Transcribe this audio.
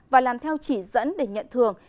và làm theo chỉ dẫn để nhận thưởng